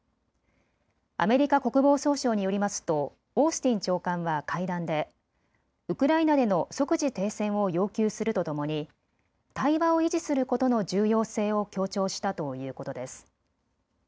アメリカ国防総省によりますとオースティン長官は会談でウクライナでの即時停戦を要求するとともに対話を維持することの重要性を強調したということです。